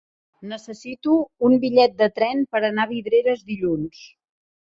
Necessito un bitllet de tren per anar a Vidreres dilluns.